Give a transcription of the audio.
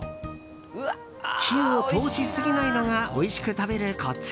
火を通しすぎないのがおいしく食べるコツ。